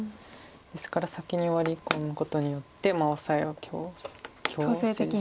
ですから先にワリ込むことによってオサエを強制して。